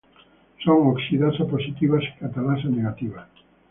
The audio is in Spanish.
Son oxidasa positivas y catalasa negativas.